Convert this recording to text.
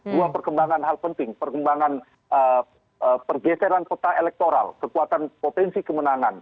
dua perkembangan hal penting perkembangan pergeseran peta elektoral kekuatan potensi kemenangan